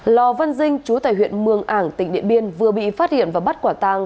lò văn dinh chú tài huyện mương ảng tỉnh điện biên vừa bị phát hiện và bắt quả tàng